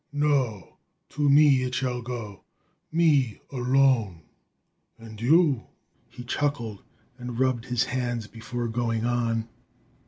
No! To me it shall go me alone! And you " He chuckled and rubbed his hands before going on.